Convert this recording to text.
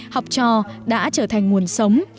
học trò đã trở thành nguồn sống